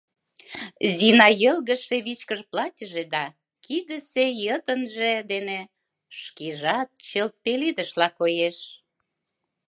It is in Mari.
Зина йылгыжше вичкыж платьыже да кидысе йытынже дене шкежат чылт пеледышла коеш.